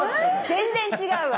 全然違うわ。